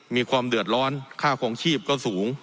มีความเดือดร้อนค่าคลองชีพก็สูง